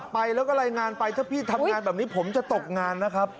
และก็ไร้งานไปพี่ทำงานแบบนี้ผมจะตกงานนะครับ